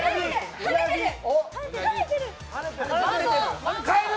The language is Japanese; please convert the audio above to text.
はねてる！